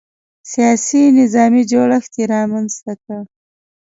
سیاسي نظامي جوړښت یې رامنځته کړی.